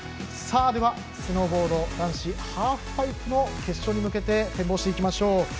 では、スノーボード男子ハーフパイプの決勝に向けて展望していきましょう。